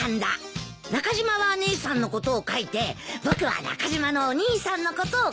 中島は姉さんのことを書いて僕は中島のお兄さんのことを書く。